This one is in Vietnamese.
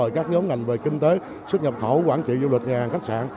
các nhóm ngành về kinh tế xuất nhập khẩu quản trị du lịch nhà hàng khách sạn